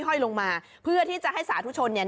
ห้อยลงมาเพื่อที่จะให้สาธุชนเนี่ย